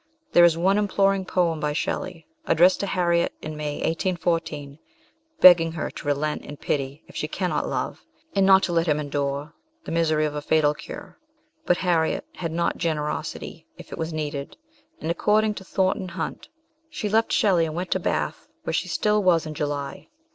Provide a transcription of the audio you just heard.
There is one imploring poem by Shelley, addressed to Harriet in May 1814, begging her to relent and pity, if she cannot love, and not to let him endure " The misery of a fatal cure "; but Harriet had not generosity, if it was needed, and, according to Thornton Hunt, she left Shelley and went to Bath, SHELLEY. 59 where she still was in July.